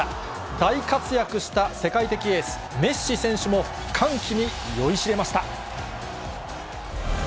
大活躍した世界的エース、メッシ選手も歓喜に酔いしれました。